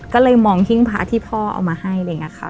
ก็เลยมองหิ้งพระที่พ่อเอามาให้อะไรอย่างนี้ค่ะ